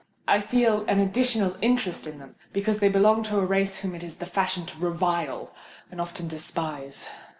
I feel an additional interest in them, because they belong to a race whom it is the fashion to revile and often to despise.